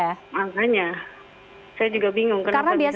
makanya saya juga bingung kenapa bisa selama itu